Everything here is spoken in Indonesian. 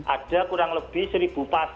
ada kurang lebih seribu